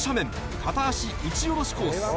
片足うち下ろしコース。